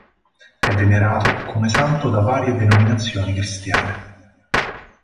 È venerato come santo da varie denominazioni cristiane.